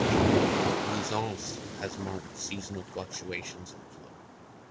Vouzance has marked seasonal fluctuations in flow.